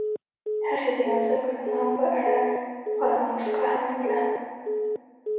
هغې د نازک رڼا په اړه خوږه موسکا هم وکړه.